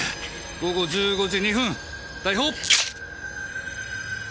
午後１５時２分逮捕。